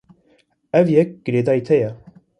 Ev yek girêdayî te ye.